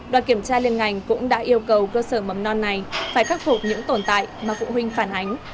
đoàn kiểm tra liên ngành cũng đã yêu cầu cơ sở mầm non này phải khắc phục những tồn tại mà phụ huynh phản ánh